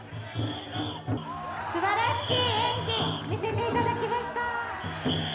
「すばらしい演技見せていただきました」。